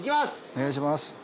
お願いします。